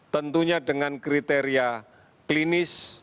tentunya dengan kriteria klinis